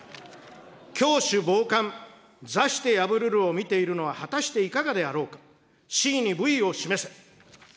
拱手傍観、坐して敗るるを見ているのは果たしていかがであろうか、四夷に武威を示せ。